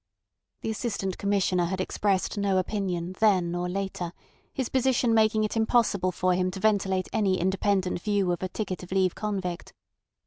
The Assistant Commissioner had expressed no opinion either then or later, his position making it impossible for him to ventilate any independent view of a ticket of leave convict.